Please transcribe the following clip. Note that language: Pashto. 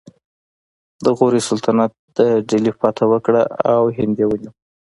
د غوري سلطنت د دهلي فتحه وکړه او هند یې ونیو